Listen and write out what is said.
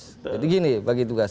jadi gini bagi tugas